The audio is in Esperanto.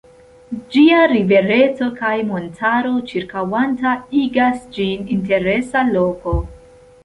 Ĝia rivereto kaj montaro ĉirkaŭanta igas ĝin interesa loko.